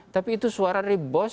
tapi itu suara dari bos